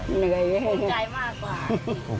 เหนื่อย